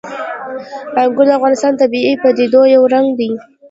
انګور د افغانستان د طبیعي پدیدو یو رنګ دی.